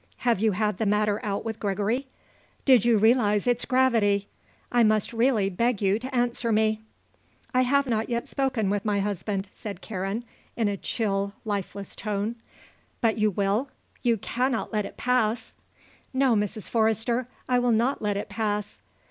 "Have you had the matter out with Gregory? Did you realise its gravity? I must really beg you to answer me." "I have not yet spoken with my husband," said Karen, in a chill, lifeless tone. "But you will? You cannot let it pass?" "No, Mrs. Forrester. I will not let it pass."